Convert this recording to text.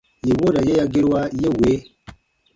Yè wooda ye ya gerua ye wee :